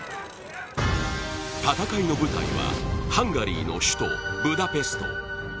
戦いの舞台はハンガリーの首都ブダペスト。